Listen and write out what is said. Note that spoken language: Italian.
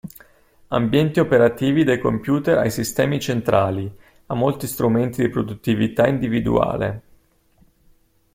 Ambienti operativi dai computer ai sistemi centrali, a molti strumenti di produttività individuale.